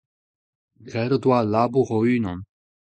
Graet o doa al labour o-unan.